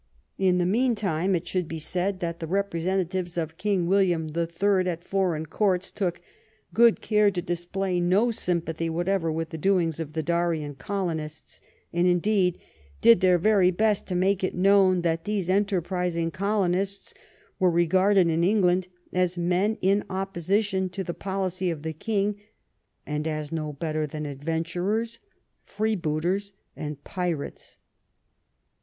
In the mean time it should be said that the repre sentatiyes of King William the Third at foreign courts took good care to display no symp&thy whateyer with the doings of the Darien colonists, and, indeed, did their yery best to make it known that these enterpris ing colonists were regarded in England as men in opposition to the policy of the King and as no better than adyenturers, freebooters, and pirates.